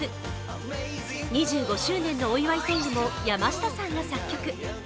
２５周年のお祝いの曲も山下さんが作曲。